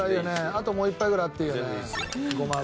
あともう一杯ぐらいあっていいよねごま油。